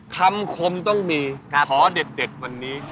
คมต้องมีขอเด็ดวันนี้